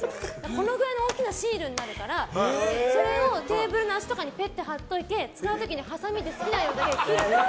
このぐらいの大きなシールになるからそれをテーブルの脚とかにペッと貼っておいて使う時にはさみで好きな分だけ切る。